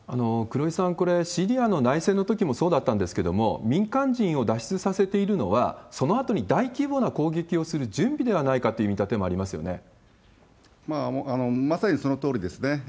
黒井さん、これ、シリアの内戦のときもそうだったんですけれども、民間人を脱出させているのは、そのあとに大規模な攻撃をする準備ではないかという見立てもありまさにそのとおりですね。